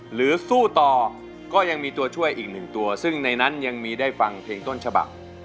หรือสู้ต่อก็ยังมีตัวช่วยอีกหนึ่งตัวซึ่งในนั้นยังมีได้ฟังเพลงต้นฉบับ